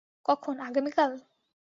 কখন, আগামীকাল?